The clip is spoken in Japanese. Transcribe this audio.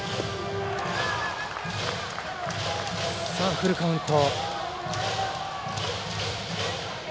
フルカウント。